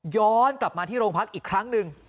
ย้อนกลับมาที่โรงพักอีกครั้งหนึ่ง